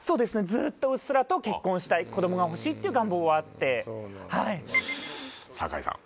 ずーっとうっすらと結婚したい子供がほしいっていう願望はあってはい酒井さん